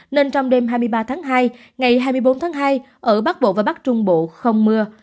nên trong đêm hai mươi ba tháng hai ngày hai mươi bốn tháng hai ở bắc bộ và bắc trung bộ không mưa